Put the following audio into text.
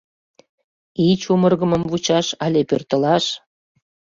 Ий чумыргымым вучаш, але пӧртылаш?